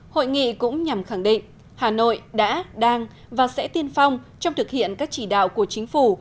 hội nghị cũng nhằm khẳng định hà nội đã đang và sẽ tiên phong trong thực hiện các chỉ đạo của chính phủ